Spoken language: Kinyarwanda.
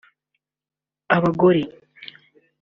Abagore